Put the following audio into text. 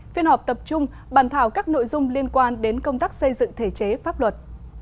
phiên họp tập trung bàn thảo các nội dung liên quan đến công tác xây dựng thể chế pháp luật